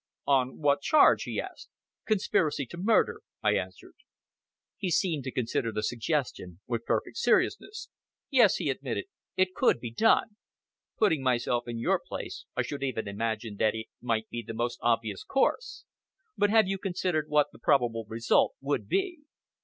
"On what charge?" he asked. "Conspiracy to murder," I answered. He seemed to consider the suggestion with perfect seriousness. "Yes!" he admitted, "it could be done. Putting myself in your place I should even imagine that it might be the most obvious course. But have you considered what the probable result would be?"